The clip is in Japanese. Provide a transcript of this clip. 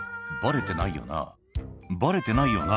「バレてないよな？